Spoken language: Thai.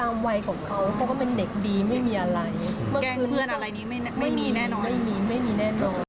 ไม่มีไม่มีแน่นอน